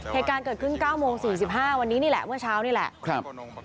เหตุการณ์เกิดขึ้น๙โมง๔๕วันนี้นี่แหละเมื่อเช้านี่แหละครับ